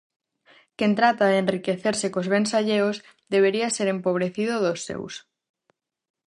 Quen trata de enriquecerse cos bens alleos, debería ser empobrecido dos seus.